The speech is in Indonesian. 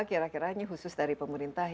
kira kiranya khusus dari pemerintah